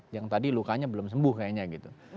yang tadi lukanya belum sembuh kayaknya gitu